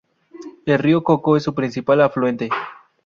El Río Coco es su principal afluente.